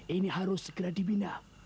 ini harus segera dibina